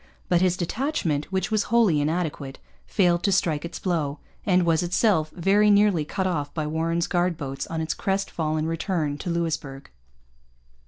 But his detachment, which was wholly inadequate, failed to strike its blow, and was itself very nearly cut off by Warren's guard boats on its crest fallen return to Louisbourg.